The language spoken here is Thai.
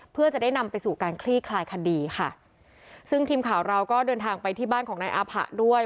เพื่อจะได้นำไปสู่การคลี่คลายคดีค่ะซึ่งทีมข่าวเราก็เดินทางไปที่บ้านของนายอาผะด้วย